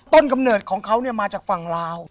ต้นกำเนิดของเขาเนี่ยมาจากฝั่งลาว